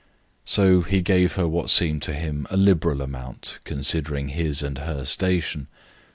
So he gave her what seemed to him a liberal amount, considering his and her station.